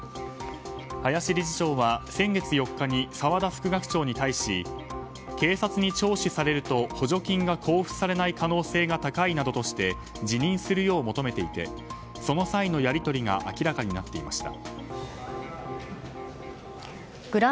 林理事長は先月４日に澤田副学長に対し警察に聴取されると補助金が交付されない可能性が高いなどとして辞任するよう求めていてその際のやり取りが明らかになっていました。